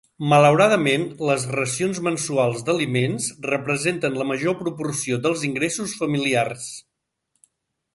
Malauradament, les racions mensuals d'aliments representen la major proporció dels ingressos familiars.